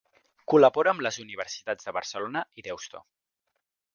Col·labora amb les universitats de Barcelona i Deusto.